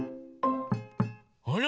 あら？